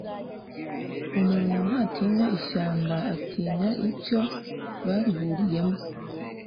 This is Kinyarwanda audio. umuntu ntatinya ishyamba atinya icyo barihuriyemo